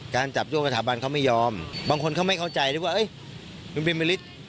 การจากโยงกรรถาบันเขาไม่ยอมบางคนทำไมเข้าใจว่ามูลนิธิจะไปตบเด็กที่ชูสามนิ้ว